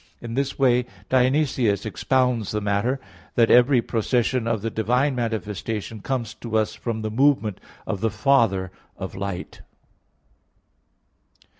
In this way Dionysius (Coel. Hier. i) expounds the matter, that every procession of the divine manifestation comes to us from the movement of the Father of light.